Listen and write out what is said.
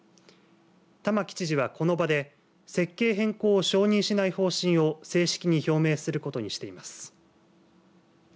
玉城知事は、この場で設計変更を承認しない方針を正式に表明することにしています。